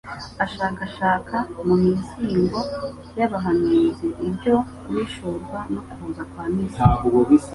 ashakashaka mu mizingo y'abahanuzi ibyo guhishurwa ko kuza kwa Mesiya